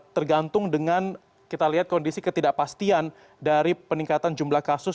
tergantung dengan kita lihat kondisi ketidakpastian dari peningkatan jumlah kasus